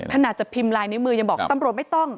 ถ้าหนักจะพิมพ์ไลน์ในมือยังบอกตำรวจไม่ต้อง